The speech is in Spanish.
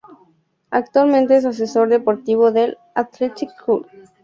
Actualmente es asesor deportivo del Athletic Club.